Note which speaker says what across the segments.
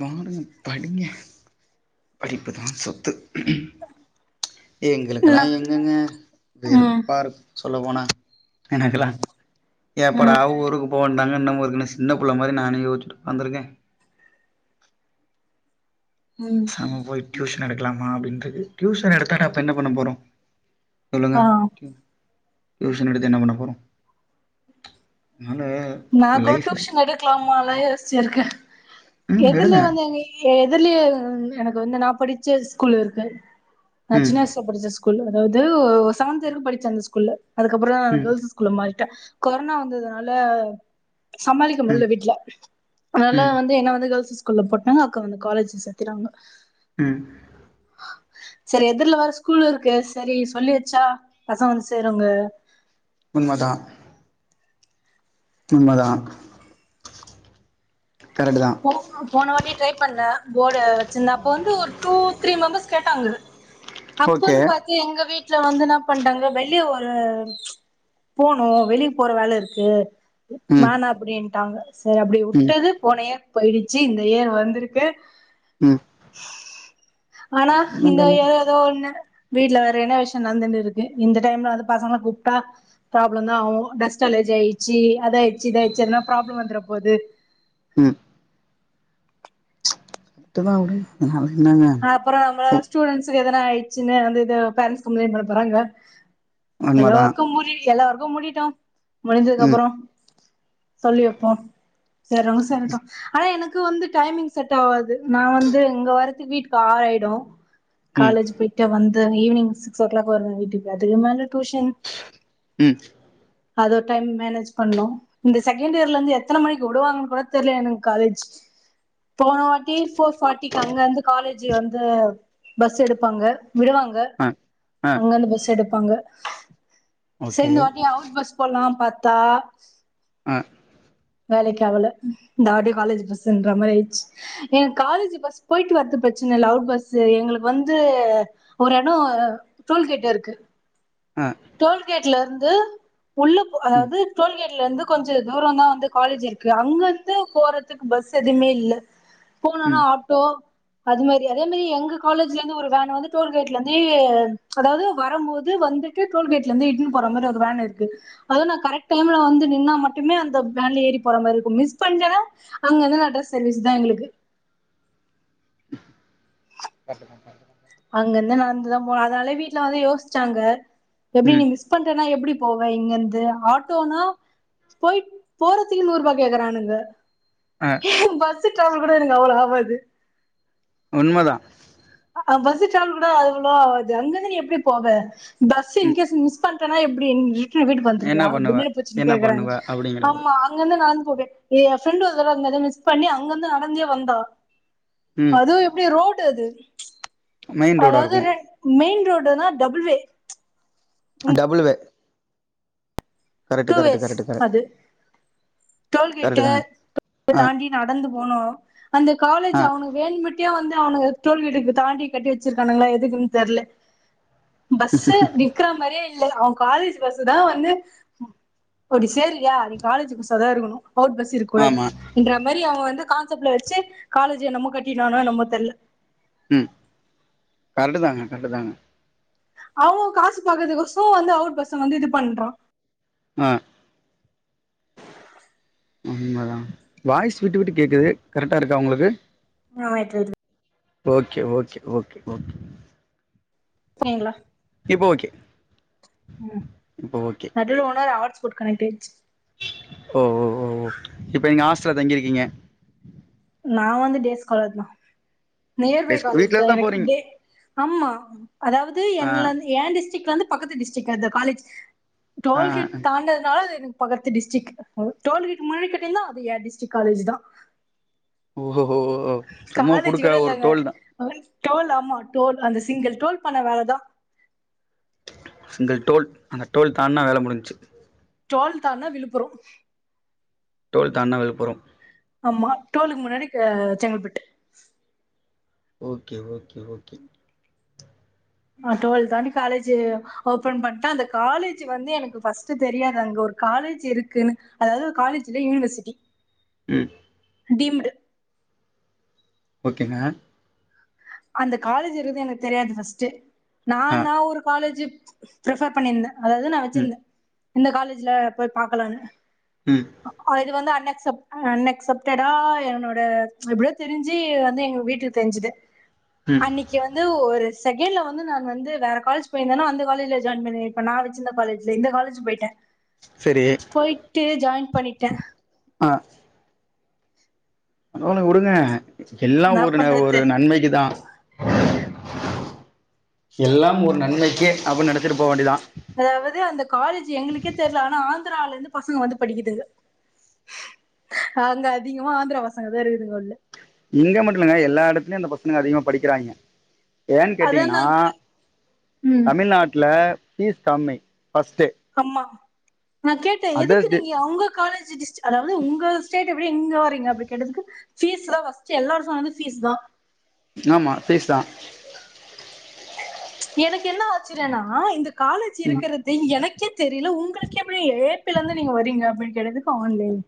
Speaker 1: பாருங்க படிங்க படிப்புதா சொத்து எங்களுக்கெல்லா
Speaker 2: நா
Speaker 1: எங்கெங்க
Speaker 2: ம்
Speaker 1: வெறுப்பாருக் சொல்ல போனா எனக்கெல்லா எப்படா
Speaker 2: ம்
Speaker 1: ஊருக்கு போவன் தாங்க இன்னுமு இருக்குனு சின்ன புள்ள மாரி நானே யோச்சுட்டு உக்காந்திருக்கே
Speaker 2: ம்
Speaker 1: சம் போய் டியூஷன் எடுக்கலாம அப்படின்னு அடுத்து டியூஷன் எடுத்த அப்ப என்ன பண்ண போறோம் சொல்லுங்க
Speaker 2: ஆ
Speaker 1: டியூஷன் எடுத்து என்ன பண்ணப் போறோம்
Speaker 2: நா கூட டியூஷன் எடுக்கலாமேனு யோசிச்ச செர்க்கே
Speaker 1: ம் எடுங்க
Speaker 2: எதுல வந்துங்க எது அதுலயே எனக்கு வந்து நான் படிச்ச ஸ்கூல்ல இருக்கு நான்
Speaker 1: ம்
Speaker 2: சின்ன வயசுல படிச்ச ஸ்கூல் குள்ள அதாவது ஒரு செவன்த் வரைக்கும் படிச்ச அந்த ஸ்கூல்ல அதுக்கப்புறம்
Speaker 1: ம்
Speaker 2: கேர்ள்ஸ் ஸ்கூல்ல மாறிட்டா கொரோனா வந்ததுனால சமாளிக்க
Speaker 1: ம்
Speaker 2: முடியல வீட்டுல அதனால
Speaker 1: ம்
Speaker 2: வந்து என்ன வந்து கேர்ள்ஸ் ஸ்கூல் ஸ்கூல்ல போட்டாங்க அக்கா வந்து காலேஜ் சேர்த்துட்டாங்க
Speaker 1: ஹம்
Speaker 2: சரி எதிர்ல வேற ஸ்கூல் இருக்கு சரி சொல்லி வச்சா பசங்க வந்து சேருங்க
Speaker 1: உண்ம தான் உண்மதான்
Speaker 2: போ போன வாட்டியே ட்ரை பண்ண போர்டா வச்சிருந்தாப்ப ஒரு டூ த்ரீ மெம்பர்ஸ் கேட்டாங்க
Speaker 1: ஓகே
Speaker 2: அப்பன்னு பாத்து எங்க வீட்டு வீட்டுல வந்து என்ன பணடாங்க வெளிய ஒரு போனும் வெளிய போற வேல இருக்கு
Speaker 1: ம்
Speaker 2: மானா அப்படட்டின்டாங்க சரி அப்படி
Speaker 1: ம்
Speaker 2: விட்டது போனயே போயிடுச்சு இந்த இயர் வந்திருக்கு
Speaker 1: ம்
Speaker 2: ஆனா இந்த
Speaker 1: என்னங்க
Speaker 2: இயர் ஏதோ ஒண்ணு வீட்டுல வேற என்ன விஷயம் நடந்துனு இருக்கு இந்த டைம்ல வந்து பசங்களை கூப்பிட்டா ப்ராப்ளம் தான் ஆவும் டஸ்டாலேஜ் ஆயடுச்சு அத ஆயிடுச்சு இத ஆயடுச்சு எனா ப்ராப்ளம் வந்துட போது
Speaker 1: உம் ட்டுனவிடு அவ
Speaker 2: அப்புறம் ஆஹ பஸ்டூடெண்டஸ் எத்தனை ஆயிடுச்சு வந்து இதே பேரன்ட்ஸ் கம்ப்ளைண்ட் பண்ண போறாங்க
Speaker 1: உண்மதா
Speaker 2: எல்லாக்கும் முடி எல்ல புக்க மூடிட்டோம் முடிஞ்சதுக்கு
Speaker 1: ம்
Speaker 2: அப்புறம் சொல்லி வைப்போம் செரவங்க சேரட்டும் ஆனா எனக்கு எனக்கு வந்து டைமிங் செட் ஆவாது நான் வந்து எங்க வரத்துக்கு வீட்டு ஆரு ஆயிடும்
Speaker 1: ம்
Speaker 2: காலேஜ் போய்டிட்ட வந்து ஈவினி் சிகஸ் ஓ கிலாக் வருவன் வீட்டுக்கு அதுக்கு மேல டூஷன்
Speaker 1: ம்
Speaker 2: அதோ டைம் மேனேஜ் பண்ணும் இந்த செகண்ட் இயர்ல இருந்து எத்தன மணிக்கு விடுவாங்கன்னு கூட தெரில எனக்கு காலேஜ் போன வாட்டி போர் பார்ட்டிக்கு அங்க வந்து காலேஜ் வந்து பஸ் எடுப்பாங்க விடுவாங்க
Speaker 1: ஆ ஆ
Speaker 2: அங்கந்து பஸ் எடுப்பாங்க
Speaker 1: ஓகே
Speaker 2: சரிந்து இத்த வாட்டி அவுட் பஸ் போலாம் பா த்தா
Speaker 1: ஆ
Speaker 2: வேலைக்காவல இந்தவாடி காலேஜ் பஸ்ன்ற மாரி ஆயிடுச்சு எங்க காலேஜ் பஸ் போயிட்டு வரது பிரச்சன இல்ல லவுட் பஸ் எங்களுக்கு வந்து ஒரு இடம் டோல் கேட் இருக்கு
Speaker 1: ஆ
Speaker 2: டோல் கேட்ல இரு ந்து உள்ள போகாது
Speaker 1: ம்
Speaker 2: அதாவது டோல்கேட் இருந்து கொஞ்சம் தூரம் தான் வந்து காலேஜ் இருக்கு அங்கிருந்து போறதுக்கு பஸ் எதுவுமே இல்ல போனும்னா
Speaker 1: ம்
Speaker 2: ஆட்டோ அது மாரி அதே மாரி எங்க காலேஜ்ல இருந்து ஒரு வேணானாவது டோல் கேட்ல இருந்து அதாவது வரும்போது வந்து ந்துட்டு டோல்கேட்டில இருந்து இட்டுக்கினு போற மாரி ஒரு வேன் இருக்கு அத நான் கரெக்ட் டைம்ல வந்து நின்னா மட்டுமே அந்த வேனில் ஏறி போற மாரி இருக்கும் மிஸ் பண்ணிட்டேன் அங்க இருந்து நட சர்வீஸ் எங்களுக்கு
Speaker 1: கரெக்ட்டு தான் கரெக்ட்டு தான்
Speaker 2: அங்க இருந்து நடந்துதான் போனும் அதனாலே வீட்டு்ல வந்து யோசிச்சாங்க எப்படி நீ
Speaker 1: ம்
Speaker 2: மிஸ் பண்றனா எப்படி போவ இங்க இருந்து ஆட்டோனா போயி போறதுக்கு நூறு ரூபாய் கேக்குறானுங்க
Speaker 1: ஆ
Speaker 2: பஸ் கூட எனக்கு அவ்வளோ ஆவாது
Speaker 1: உண்மைதான்
Speaker 2: பஸ்சு சார்ஜ கூட அவ்வளோவ ஆகாது அங்கந்து எப்படி போக பஸ்
Speaker 1: ம்
Speaker 2: இங்க மிஸ் ஆனா எப்படி வீட்டுக்கு
Speaker 1: என்ன
Speaker 2: வந்துருவியா
Speaker 1: பண்ணுவ
Speaker 2: பின்னானு போச்சு
Speaker 1: என்ன
Speaker 2: கேக்குறாங்க
Speaker 1: பண்ணுவ அப்டிங்கிற ஒரு
Speaker 2: ஆமா அங்க வந்து நான் என் ஃப்ரெண்ட் ஒருதடவ மிஸ் பண்ணி அங்கிருந்து நடந்தே வந்தா
Speaker 1: ம்
Speaker 2: அதுவும் எப்படி ரோடு அது
Speaker 1: மெயின் ரோடா
Speaker 2: அதாவது
Speaker 1: இருக்கு
Speaker 2: ரெண் மெயின் ரோடு தான் double way
Speaker 1: double way correct
Speaker 2: two
Speaker 1: correct
Speaker 2: ways
Speaker 1: correct correct
Speaker 2: அது
Speaker 1: கரெக்ட்
Speaker 2: டோல்கேட்டு
Speaker 1: தாங்க ஆ
Speaker 2: தாண்டி நடந்து போனும் அந்த காலேஜ்
Speaker 1: ஆ
Speaker 2: அவனு வேன்ட்டு வந்து அவனுங்க தோல்வீட்டுக்கு தாண்டி கட்டி வச்சிருக்கானுங்களா எதுக்குன்னு தெரியல பஸ்ஸு நிக்கற மார்யே அவன் காலேஜ் பஸ் தான் வந்து அப்படி சேர்ரியா நீ காலேஜ் பஸ் அதான் இருக்கணும் அவுட் பஸ் இருக்குல
Speaker 1: ஆமா
Speaker 2: இருக்குற மாரி அவன் வந்து கான்செப்ட்ல வச்சு காலேஜ்ஜை நம்ம கட்டினானோம் ஏன்னமோ தெரியல
Speaker 1: உம் கரெக்ட்டு தாங்க கரெக்ட்டு தாங்க
Speaker 2: அவுங்க காசு பாக்குறதுகுவசும் வந்து அவுட் பஸ்சம் வந்து இது பண்றான்
Speaker 1: ஆஹ உண்ம தான் வாய்ஸ் விட்டு விட்டு கேக்குது கரெக்டா இருக்கா உங்களுக்கு
Speaker 2: ஆமா விட்டு விட்டு
Speaker 1: ஓகே ஓகே ஓகே ஓகே இப்போ ஓகே
Speaker 2: உம்
Speaker 1: இப்போ ஓகே
Speaker 2: [unintelligible] குட்கனெக்ட் ஆயிடுச்சு
Speaker 1: ஓ ஓ ஓ இப்ப நீங்க ஆஹாஸ்டல்ல தங்கிருக்கீங்க
Speaker 2: நான் வந்து டேஸ் காலர் தான் நியர் பை
Speaker 1: டெஸ்க்
Speaker 2: காலேஜ்
Speaker 1: வீட்ல இருந்து
Speaker 2: தான்
Speaker 1: போறீங்க
Speaker 2: எனக்கு ஆமா அதாவது
Speaker 1: ஆ
Speaker 2: என்ல என் டிஸ்டிக்ல இருந்து பக்கத்து டிஸ்ட்ரிக் அந்த காலேஜ்
Speaker 1: ஆ
Speaker 2: டோல்கட் தாண்டதுனால அதுக்கு பக்கத்து டிஸ்டிக் டோல்கட் முன்னாடி கட்டி இருந்தா அது என் டிஸ்டிக் காலேஜ் தான்
Speaker 1: ஓ ஓஓஓ சும்மா குடுக்கா
Speaker 2: கூட
Speaker 1: ஒரு
Speaker 2: இல்லங்க
Speaker 1: டோல் தான்
Speaker 2: டோல் ஆமா டோல் அந்த சிங்கிள் டோல் பண்ண வேலைதான்
Speaker 1: சிங்கிள் டோல் அந்த டோல் தானா வேலை முடிஞ்சிச்சு
Speaker 2: டோல் தான்ணா விழுப்புரம்
Speaker 1: டோல் தான்ணா விழுப்புரம்
Speaker 2: ஆமா டோலுக்கு முன்னாடி செங்கல்பட்டு
Speaker 1: ஓகே ஓகே ஓகே
Speaker 2: ஆஹ் டுவெல்த் தாண்டி காலேஜ் ஓபன் பண்ணிட்டா அந்த காலேஜ் வந்து எனக்கு பஸ்ட் தெரியாது அங்க ஒரு காலேஜ் இருக்குன்னு அதாவது காலேஜ்ல யூனிவர்சிட்டி
Speaker 1: உம்
Speaker 2: டிம்டு
Speaker 1: ஓகேங்க
Speaker 2: அந்த காலேஜ் இருக்குது எனக்கு தெரியாது பர்ஸ்ட் நான
Speaker 1: ஆ
Speaker 2: நான ஒரு காலேஜ் பிரிஃபர் பண்ணியிருந்தேன் அதாவது நான்
Speaker 1: ம்
Speaker 2: வச்சிருந்தேன் இந்த காலேஜ்ல போய் பாக்கலான்னு
Speaker 1: ம்
Speaker 2: இது வந்து அண்ண அன்எக்சப்டடா என்னோட எப்படியோ தெரிஞ்சு வந்து எங்க வீட்டுக்கு தெரிஞ்சுது
Speaker 1: ம்
Speaker 2: அன்னைக்கு வந்து ஒரு ஒரு செகண்ட்ல வந்து நான் வந்து வேற காலேஜ்யிருந்தோ அந்த காலேஜ்ல ஜாயின் பண்ணேன் இப்ப நான் வச்சிருந்த காலேஜ்ல இந்த காலேஜ்போயிட்டேன்
Speaker 1: சரி
Speaker 2: போயிட்டு ஜாயின் பண்ணிட்டேன்
Speaker 1: அத விடுங்க எல்லாம்
Speaker 2: நான்
Speaker 1: ஒரு ஒரு
Speaker 2: பண்றது
Speaker 1: நன்மைக்குதான் எல்லாம் ஒரு நன்மைக்குே அப்படினு நனச்சிட்டு போ வேண்டிதான்
Speaker 2: அதாவது அந்த காலேஜ் எங்களுக்கே தெர்ல ஆனா ஆந்திரில இருந்து பசங்க வந்து படிக்குதுங்க அங்க அதிகமா ஆந்திரா பசங்க தான் இருக்குதுங்க உள்ள
Speaker 1: இங்க மட்டும் இல்லங்க எல்லா இடத்துலயும் இந்த பசங்க அதிகமா படிக்கிறாங்க ஏன்னு
Speaker 2: அதான்
Speaker 1: கேட்டீங்கன்னா
Speaker 2: நான் கே- ம்,
Speaker 1: தமிழ்நாட்டுல பீஸ் கம்மி ஃபஸ்ட்டு
Speaker 2: ஆமா நான் கேட்டேன் எதுக்கு
Speaker 1: அதர்ஸ் டி
Speaker 2: நீங்க உங்க காலேஜ் அதாவது உங்க ஸ்டேட் எப்படி எங்க வரீங்க அப்படி கேட்டதுக்கு பீஸ் தான் எல்லாரரும் பஸ்ட் பீஸ் தான்
Speaker 1: ஆமா பீஸ் தான்
Speaker 2: ஆஹ எனக்கு என்ன ஆச்சுறேன்னா இந்த காலேஜ்
Speaker 1: ம்
Speaker 2: இருக்கத எனக்கு என் தெரியல உங்களுக்கு எப்படி ஏப்பில இருந்து நீங்க வரீங்க அப்படின்னு கேட்டேன் ஆன்லைன்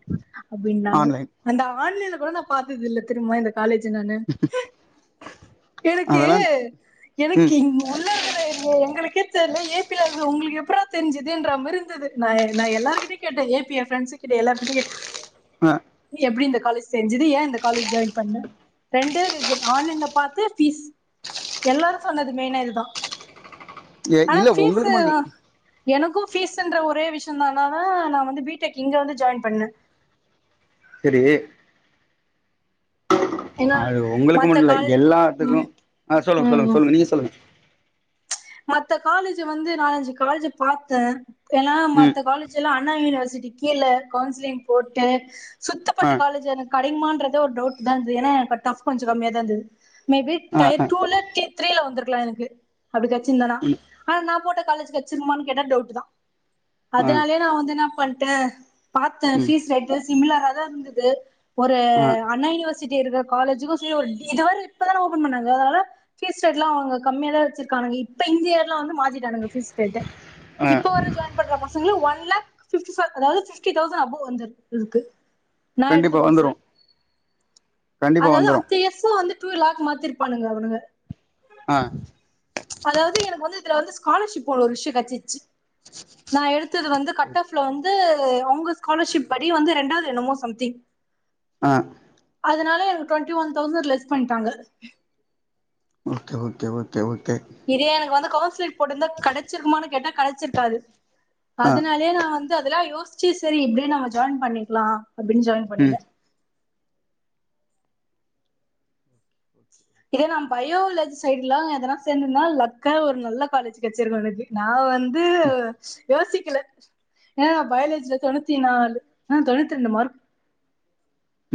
Speaker 2: அப்படின்னாங்க
Speaker 1: ஆன்லைன்
Speaker 2: அந்த ஆன்லைன்ல கூட ப பா்த்ததில்ல தும் காலேஜ் நானு எனக்கு
Speaker 1: அதெல்லா ம்
Speaker 2: எனக்கு உள்ள இருக்கற எங்க எனக்கே ஏபில இருக்கிற உங்களுக்கு எப்படி தெரிஞ்சது என்ற இருந்தது நான் நான் எல்லாவற்றையும் கேட்டேன்
Speaker 1: ஆ
Speaker 2: நீ எப்படி இந்த காலேஜ் செஞ்சது ஏன் இந்த காலேஜ் ஜாயின் பண்ண ரெண்டே ரீசன் ஆன் என் பார்த்த எல்லாரும் சொன்னது மெயினா இதுதான்
Speaker 1: ஏ இல்ல உங்களுக்கு மட்டுமில்லை
Speaker 2: பீஸ் என்ற ஒரே விஷயம் தான்ன தான் நான் வந்து பிடெக் இங்க வந்து ஜாயின் பண்ணே
Speaker 1: சரி
Speaker 2: ஏன்னா
Speaker 1: அது உங்களுக்கு
Speaker 2: மத்த
Speaker 1: மட்டும் இல்ல
Speaker 2: காலேஜ்
Speaker 1: எல்லாத்துக்கும்
Speaker 2: ம்
Speaker 1: ஆஹ் சொல்லுங்க சொல்லுங்க
Speaker 2: ம்
Speaker 1: சொல்லுங்க நீங்க சொல்லுங்க
Speaker 2: மத்த காலேஜ் வந்து நாலஞ்சு காலேஜ் பாத்தேன் ஏன்னா
Speaker 1: ம்
Speaker 2: மத்த காலேஜ் எல்லாம் அண்ணா யூனிவர்சிட்டி கீழ கவுன்சிலிங் போட்டேன்
Speaker 1: ஆ
Speaker 2: சுத்தப்பட்ட காலேஜ் எனக்கு கிடக்குமான்றது ஒரு டவுட் தா ஏன்னா கட் ஃப் கொஞ்சம் கம்மியா தான் இருந்தது மேபி டை
Speaker 1: ஆ ஆ
Speaker 2: டுள த்ரிள வந்து க்கலா எனக்கு அப்டித சின்னனா
Speaker 1: ம்
Speaker 2: ஆ நா போட்ட காலேஜ் கச்சிருமான்னு கேட்ட டவுட் தான்
Speaker 1: ஆ
Speaker 2: அதனாலயே நா வந்து நா பண்ட் ட பாத்தன்
Speaker 1: ம்
Speaker 2: பீஸ் ரெட்ரஸ் சிமிலரா தா இருந்தது ஒரு
Speaker 1: ஆ
Speaker 2: அண்ணா யூனிவஸ் சிட்டி இருக்க காலேஜிக்கு ச் ஓ டி இது வேர இப்பதான ஓபன் பண்ணாங்க அதனால பீஸ் ரேட்டலாம் அவங்க கம்மியா தான் வச்சிரு கங்கி இப்ப இந்தயியர்ல வந்து மா த்திடானுக பீஸ் பெட்டா
Speaker 1: ஆ
Speaker 2: இப்ப வர ஜாயின் பண்ற பசங்கள ஒன் லாக் பிப்டி போர் அதாவது பிப்டி தொசன் அபோவ் வந்து இருக்கு நா எடுத்து
Speaker 1: கண்டிப்பா
Speaker 2: கோர்ஸ்
Speaker 1: வந்துரு கண்டிப்பா வந்துரு
Speaker 2: அதாவது [unintelligible] டூ லக்கு மாத்திருப்பானுங்க அவனுங்க
Speaker 1: ஆ
Speaker 2: அதாவது எனக்கு வந்து இதுல வந்து ஸ்காலர்ஷிப் போ ஒரு விஷயம் கெச்சிச்சு நா எடுத்தது வந்து கட் ஆப்ல து உ அவங்க ஸ்காலர்ஷிப் படி வந்து ரெண்டாது என்னமோ சம்திங்
Speaker 1: அன்
Speaker 2: அதனால எனக்கு டொண்டி ஒன் தௌசண்ட் லெஸ் பண்ட்டாங்க
Speaker 1: ஓகே ஓக்கே ஓக்கே ஓக்
Speaker 2: இதே எனக்கு வந்து கொவ் போட்டுந்த கடச்சியிக்குமானு கெட்டா கழச்சிருக்காது
Speaker 1: ஆ
Speaker 2: அதனாலயே நா வந்து அதெல்லாம் யோசிச் சி சரி பி எட் நம்ப ஜாயின் பண்ணிக்கலா அப்டின்னு ஜாயின் பண்ணிட்ட
Speaker 1: ம்
Speaker 2: இதே நான் பயோலஜி சைட் எல்லா எதனா சேர்ந்தனா லக்கா ஒரு நல்ல காலேஜ் கெச்சிருக்கும் எனக்கு நான் வந் து சி யோசிக்கல அ பயாலஜி தொண்ணூத்தி நாலு ஆ தொண்ணூத்தி ரெண்டு மார்க்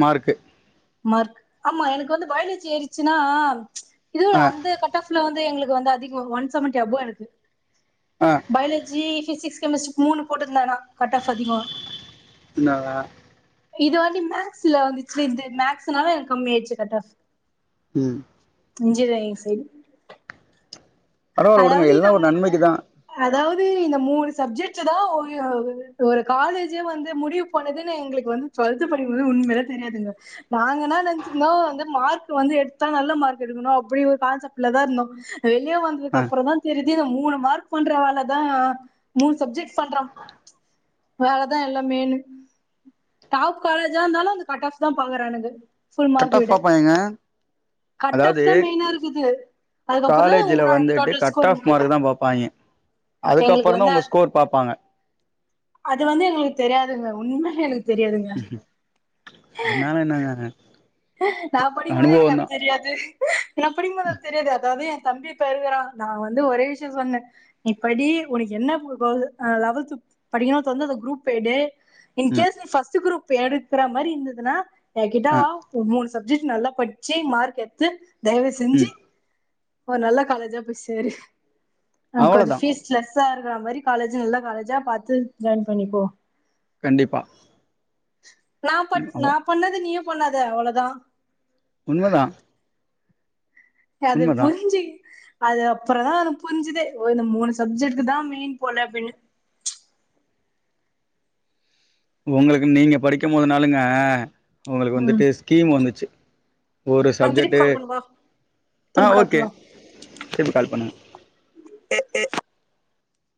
Speaker 1: மாயிக்கு
Speaker 2: மார்க் ஆமா எனக்கு வந்து பயாலஜி ஏறிச்சின்னா இதுவு
Speaker 1: ஆ
Speaker 2: அந்த கட் ஆப்ல வந் எங்களுக்கு வந்து அதிகம் ஒன் செவன்டி அப்பாடிருக்கு
Speaker 1: ஆ
Speaker 2: பாயோலஜி ிசிக்ஸ் கெமிஸ்ட் மூணு போட்டு போட்டிருந்தானா கட்டப் அதிகம்
Speaker 1: என்னடா
Speaker 2: இது வந்து மேக்ஸ்ல வந்துச்சு இது மேக்ஸ்ல எனக்கு கம்மி ஆயிச்சு கட் ஆப்
Speaker 1: உம்
Speaker 2: இன்ஜினியரிங் சைட
Speaker 1: பரவாயில்ல உடுங்க எல்லாம் ஒரு நன்மைக்குதான்
Speaker 2: அதாவது இந்த மூண சஜெக்ட் தான் ஒரு காலேஜே வந்து முடிவு போனதுன்ன எங்களுக்கு வந்து்த ப உண்ையில தெரியாது நாங்க நினச்சிருந்தோம் மார்க்ந்து எ நல்ல மார்க் எக்கணும் அ ஒரு கசப்லதான் இருந்தோம் வெள
Speaker 1: ஆ
Speaker 2: அப்புறம் தான் தெரியுது மூணு மார்க் பண்ற வேலைதான் மூணு சப்ஜெக்ட் பண்றான் வேலைதான் எல்லாம் மெயினு டப் காலேஜா இருந்தாலும் அந்த கட் ஆப் பாக்குறானுங்க புல்
Speaker 1: கட்
Speaker 2: மார்க்
Speaker 1: ஆஃப்
Speaker 2: எடு
Speaker 1: பாப்பாய்ங்க
Speaker 2: கட் ஆப்
Speaker 1: அதாவது
Speaker 2: தான் மெயினா இருக்குது அதுக்கப்புறம் தான் உ
Speaker 1: ட்டு கட் ஆஃப் மார்க்க் தான் இது கட் ஆப் மார்க் பார்ப்பாங்க
Speaker 2: எங்களுக்கு
Speaker 1: அதுக்கப்புறம் தான்
Speaker 2: வந்து
Speaker 1: உங்க ஸ்கோர் பார்ப்பாங்க
Speaker 2: அது வந்து எங்களுக்கு தெரியாதுங்க உண்மைகளை
Speaker 1: உம்ம் அது நான என்னான
Speaker 2: நான் படிக்கும்போது எனக்கு அது தெரியாது என்ன படிக்கத தெரியாது அதாவது தம்பிப் இருக்கறான் நான் வந்து ஒரே விஷயம் சொன்னேன் இப்படி உனக்கு என்ன லெவல்த் படிக்கணும் தந்து குரூப் எடு
Speaker 1: ம்
Speaker 2: இன்கேஸ் நீ பஸ்ட் குருப் இப்ப எடுக்கற மாதிரி இருந்ததுன்னா எகிட்டா
Speaker 1: ஆ
Speaker 2: வா மூணு சப்ஜெக்ட் நல்லா படிச்சு மார்க் எடுத்து தயவு செஞ்சு
Speaker 1: ம்
Speaker 2: ஓ நல்ல காலேஜா போயி் சேரு அ
Speaker 1: அவ்ளோதா
Speaker 2: கொஞ்சம் ீஸ்லெஸ் [inaudible] இருக்கிற மாதிரி காலேஜ் நல்ல காலேஜா பார்த்து ஜாயின் பண்ணிக்கோம்
Speaker 1: கண்டிப்பா
Speaker 2: நான் ப
Speaker 1: ம் அவ
Speaker 2: நான் பண்ணது நீ பண்ணாத அவ்வளோதான்
Speaker 1: உண்மதான்
Speaker 2: அது புரிஞ்சு அது அப்புற தான்து புரிஞ்சுதே ஓ இந்த மூணு சப்ஜெக்டக்கு தான் மெயின் போல அப்படின்னு
Speaker 1: உங்களுக்கு நீங்க படிக்கும் போது நாளுங்க உங்களுக்கு
Speaker 2: ம்
Speaker 1: வந்துட்டு ஸ்கீம் வந்துச்சு ஒரு
Speaker 2: நா திருப்பி
Speaker 1: சப்ஜெக்ட்டு
Speaker 2: கால் பண்ணவா
Speaker 1: ஆ
Speaker 2: திருப்பி கால்
Speaker 1: ஓகே
Speaker 2: பண்ணவா
Speaker 1: இப்போ கால் பண்ணுன
Speaker 2: ஏ ஏ